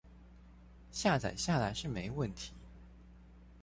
下載下來是沒問題